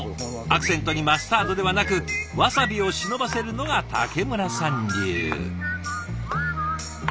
アクセントにマスタードではなくわさびを忍ばせるのが竹村さん流。